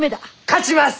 勝ちます！